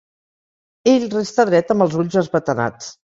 Ell resta dret amb els ulls esbatanats.